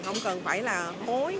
không cần phải là hối